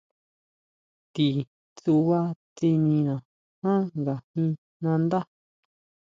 Ti tsuba tsinina jan nga jín nandá.